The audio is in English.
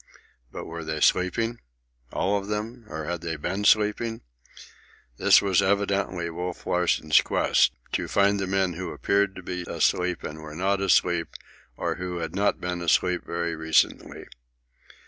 But were they sleeping? all of them? Or had they been sleeping? This was evidently Wolf Larsen's quest—to find the men who appeared to be asleep and who were not asleep or who had not been asleep very recently.